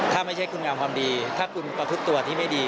ถ้าไม่ใช่คุณงามความดีถ้าคุณประพฤติตัวที่ไม่ดี